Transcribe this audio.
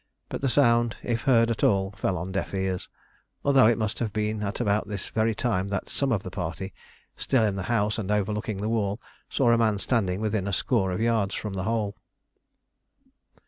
But the sound, if heard at all, fell on deaf ears although it must have been at about this very time that some of the party, still in the house and overlooking the wall, saw a man standing within a score of yards from the hole.